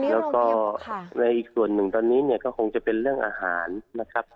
แล้วก็ในอีกส่วนหนึ่งตอนนี้เนี่ยก็คงจะเป็นเรื่องอาหารนะครับ